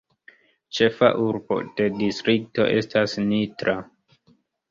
Ĉefa urbo de distrikto estas Nitra.